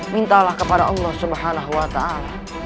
mintalah kepada allah subhanahu wa ta'ala